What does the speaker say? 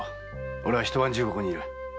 俺は一晩中ここに居る。